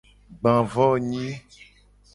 Gba vo nyi.